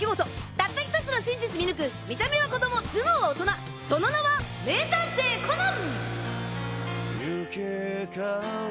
たった１つの真実見抜く見た目は子ども頭脳は大人その名は名探偵コナン！